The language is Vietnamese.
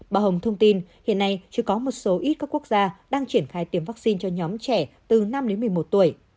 bà hồng thông tin hiện nay chưa có một số ít các quốc gia đang triển khai tiêm vaccine cho nhóm trẻ từ năm đến một mươi một tuổi